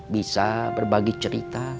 bisa berbagi cerita